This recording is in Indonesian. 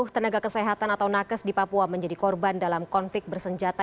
sepuluh tenaga kesehatan atau nakes di papua menjadi korban dalam konflik bersenjata